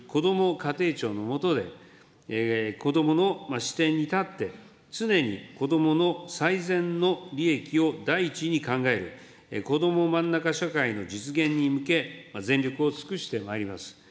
家庭庁の下で、子どもの視点に立って、常に子どもの最善の利益を第一に考える、こども真ん中社会の実現に向け、全力を尽くしてまいります。